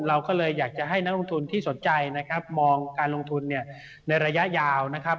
เราก็เลยอยากจะให้นักลงทุนที่สนใจนะครับมองการลงทุนเนี่ยในระยะยาวนะครับ